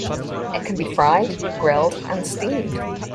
It can be fried, grilled, and steamed.